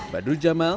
badu jamal jakarta